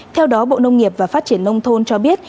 theo đó bộ nông nghiệp và phát triển nông thôn cho biết